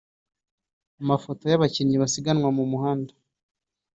– Amafoto y’abakinnyi basiganwa mu muhanda